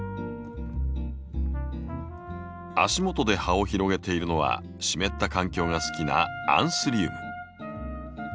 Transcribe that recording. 足元で葉を広げているのは湿った環境が好きなアンスリウム。